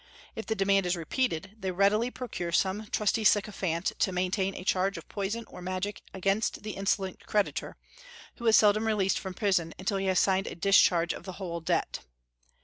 If the demand is repeated, they readily procure some trusty sycophant to maintain a charge of poison or magic against the insolent creditor, who is seldom released from prison until he has signed a discharge of the whole debt.